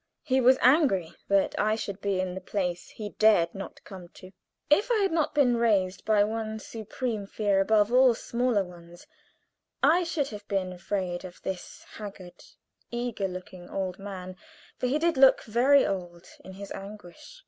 He was angry that I should be in the place he dared not come to. If I had not been raised by one supreme fear above all smaller ones, I should have been afraid of this haggard, eager looking old man for he did look very old in his anguish.